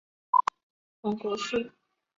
黄果树爬岩鳅为平鳍鳅科爬岩鳅属的鱼类。